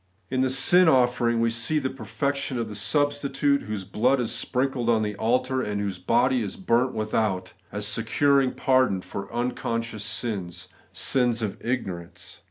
In the sin offering we see the perfection of the substitute, whose blood is sprinkled on the altar, and whose body is burnt without, as securing pardon for unconscious sins, — sins of ignorance.